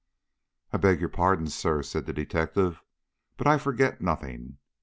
"I beg your pardon, sir," said the detective, "but I forget nothing.